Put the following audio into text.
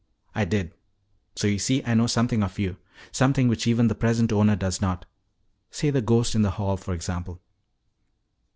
"I did. So you see I know something of you. Something which even the present owner does not. Say the ghost in the hall, for example."